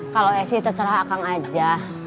kalau esi terserah aku aja